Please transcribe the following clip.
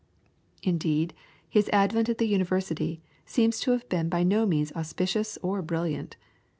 Indeed, his advent at the University seemed to have been by no means auspicious or brilliant.